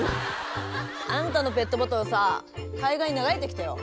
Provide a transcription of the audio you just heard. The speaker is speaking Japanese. あんたのペットボトルさ海岸に流れてきたよ。